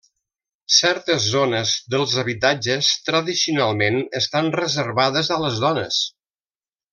Certes zones dels habitatges tradicionalment estan reservades a les dones.